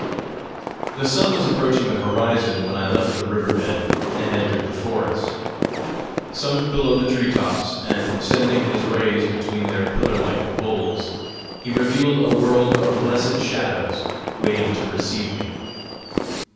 The sun was approaching the horizon when I left the river bed, and entered the forest. Sunk below the tree tops, and sending his rays between their pillar like boles, he revealed a world of blessed shadows waiting to receive me.